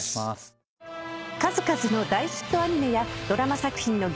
［数々の大ヒットアニメやドラマ作品の劇